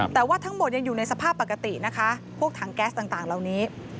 แต่ว่าทั้งหมดยังอยู่ในสภาพปกตินะคะพวกถังแก๊สต่างเหล่านี้